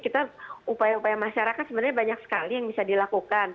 kita upaya upaya masyarakat sebenarnya banyak sekali yang bisa dilakukan